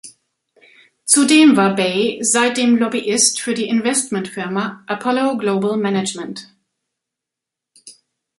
Zudem war Bayh seitdem Lobbyist für die Investment-Firma Apollo Global Management.